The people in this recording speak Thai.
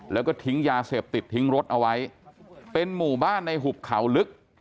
แล้วก็ทิ้งยาเสพติดทิ้งรถเอาไว้เป็นหมู่บ้านในหุบเขาลึก